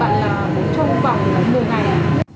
hoặc là đối với các bạn là trong vòng một mươi ngày